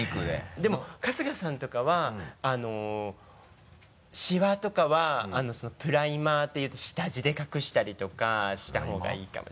でも春日さんとかはシワとかはプライマーっていって下地で隠したりとかした方がいいかもしれない。